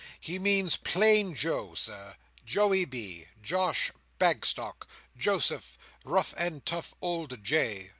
He means plain Joe, Sir—Joey B.—Josh. Bagstock—Joseph—rough and tough Old J.